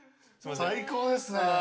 最高ですね。